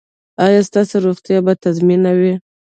ایا ستاسو روغتیا به تضمین وي؟